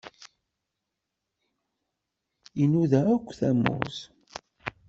Inuda-d akk tamurt.